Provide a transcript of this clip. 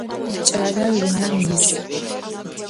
Ç'aler vunem yis.